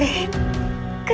kenapa musuh tertangkap